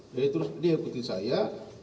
jadi terus dia ikutin saya